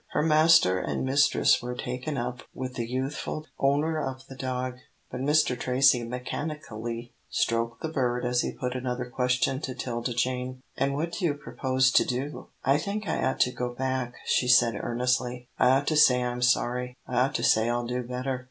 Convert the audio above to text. Her master and mistress were taken up with the youthful owner of the dog, but Mr. Tracy mechanically stroked the bird as he put another question to 'Tilda Jane. "And what do you propose to do?" "I think I ought to go back," she said, earnestly. "I ought to say I'm sorry. I ought to say I'll do better."